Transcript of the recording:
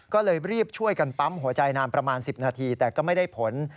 ก็เลยรีบช่วยกันปั๊มหัวใจนานประมาณ๑๐นาทีแต่ก็ไม่ได้ผล